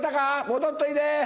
戻っといで！